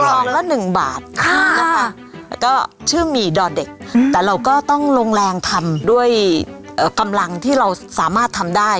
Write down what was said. รองละ๑บาทนะคะแล้วก็ชื่อหมี่ดอเด็กแต่เราก็ต้องลงแรงทำด้วยกำลังที่เราสามารถทำได้